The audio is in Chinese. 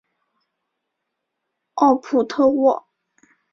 奥普特沃。